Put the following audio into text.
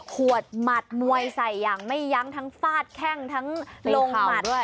ขวดหมัดมวยใส่อย่างไม่ยั้งทั้งฟาดแข้งทั้งลงหมัด